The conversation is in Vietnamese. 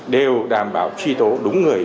đều đảm bảo truy tố đúng người